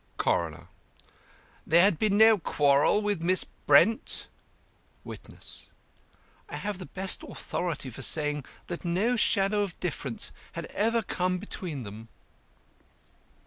CORONER: There had been no quarrel with Miss Brent? WITNESS: I have the best authority for saying that no shadow of difference had ever come between them.